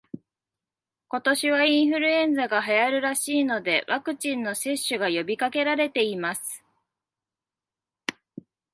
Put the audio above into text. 今年はインフルエンザが流行るらしいので、ワクチンの接種が呼びかけられています